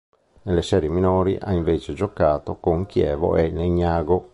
Nelle serie minori ha invece giocato con Chievo e Legnago.